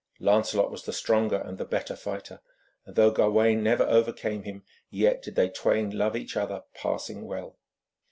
Lancelot was the stronger and the better fighter; and though Gawaine never overcame him, yet did they twain love each other passing well.